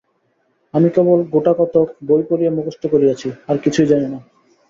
আমি কেবল গোটাকতক বই পড়িয়া মুখস্থ করিয়াছি, আর কিছুই জানি না।